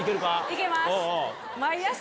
行けます。